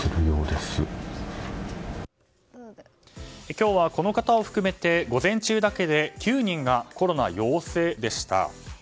今日は、この方を含めて午前中だけで９人がコロナ陽性でした。